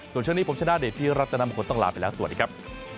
ส่วนช่วงนี้ผมชนะเดชพี่รัตนามงคลต้องลาไปแล้วสวัสดีครับ